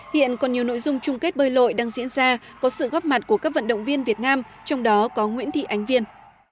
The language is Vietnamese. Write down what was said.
hiện còn nhiều nội dung chung kết bơi lội đang diễn ra có sự góp mặt của các vận động viên việt nam trong đó có nguyễn thị ánh viên